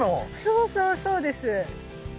そうそうそうです。